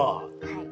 はい。